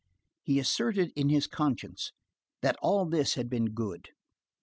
He asserted in his conscience, that all this had been good.